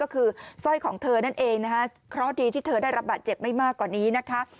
ก็คือสร้อยของเธอนั่นเองนะคะเพราะดีที่เธอได้รับบาดเจ็บไม่มากกว่านี้นะคะ